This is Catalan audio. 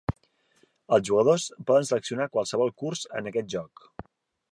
Els jugadors poden seleccionar qualsevol curs en aquest joc.